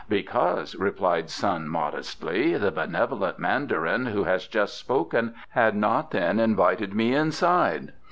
"Because," replied Sun modestly, "the benevolent mandarin who has just spoken had not then invited me inside.